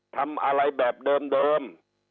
ทำอะไรแบบเดิม